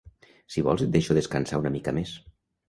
Si vols et deixo descansar una mica més.